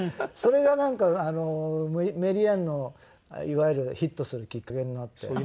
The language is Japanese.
それがなんか『メリーアン』のいわゆるヒットするきっかけになって。